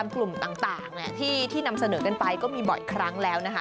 กลุ่มต่างที่นำเสนอกันไปก็มีบ่อยครั้งแล้วนะคะ